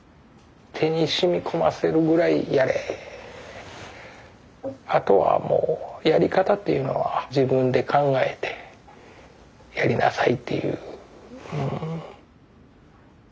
手にしみこませるぐらいやれあとはもうやり方っていうのは自分で考えてやりなさいっていううん。